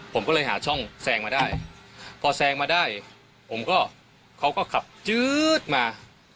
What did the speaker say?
ผมก็เลยหาช่องแซงมาได้พอแซงมาได้ผมก็เขาก็ขับจื๊ดมา